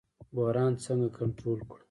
بحران څنګه کنټرول کړو؟